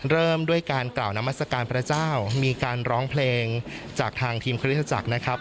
เริ่มด้วยการกล่าวนามัศกาลพระเจ้ามีการร้องเพลงจากทางทีมคริสตจักรนะครับ